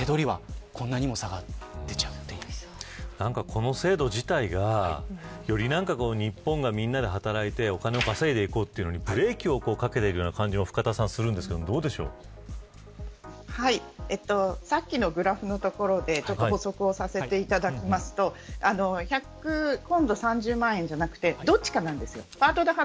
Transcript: この制度自体がより日本が皆で働いてお金を稼いでいこうというのにブレーキをかけるような気もするんですがさっきのグラフのところで補足をさせていただくと今度１３０万じゃなくてどっちかです。